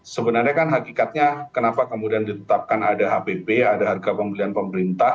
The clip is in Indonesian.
sebenarnya kan hakikatnya kenapa kemudian ditetapkan ada hpp ada harga pembelian pemerintah